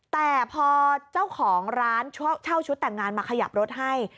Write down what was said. แต่พอเจ้าของร้านเช่าชุดแต่งงานมาขยับรถให้